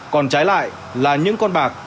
còn trái lại là những con bạc